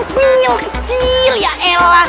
kecil ya elas